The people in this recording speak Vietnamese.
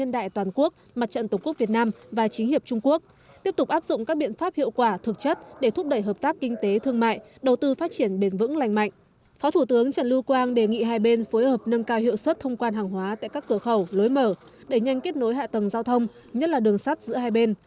tại các cửa khẩu lối mở để nhanh kết nối hạ tầng giao thông nhất là đường sắt giữa hai bên